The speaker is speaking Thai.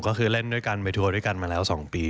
ก็คือเล่นด้วยกันไปทัวร์ด้วยกันมาแล้ว๒ปี